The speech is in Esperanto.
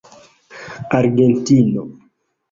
argentino